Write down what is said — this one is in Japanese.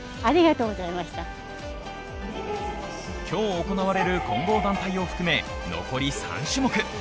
今日行われる混合団体を含め、残り３種目。